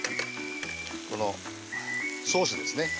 このソースですね。